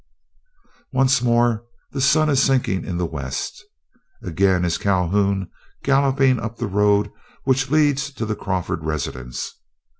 Once more the sun is sinking in the west; again is Calhoun galloping up the road which leads to the Crawford residence.